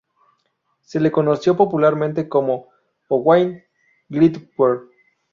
Se le conoció popularmente como Owain Glyndŵr.